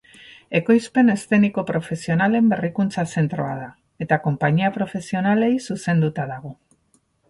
Ekoizpen eszeniko profesionalen berrikuntza zentroa da, eta konpainia profesionalei zuzenduta dago.